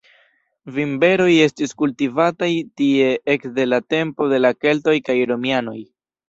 Vinberoj estis kultivataj tie ekde la tempo de la keltoj kaj Romianoj.